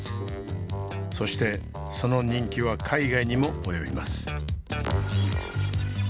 そしてその人気は海外にも及びます。